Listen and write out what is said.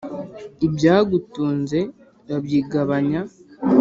Ibyagutunze babyigabanya !